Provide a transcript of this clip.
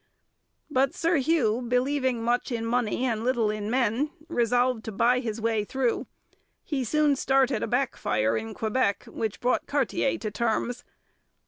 But Sir Hugh, believing much in money and little in men, resolved to buy his way through. He soon started a backfire in Quebec which brought Cartier to terms.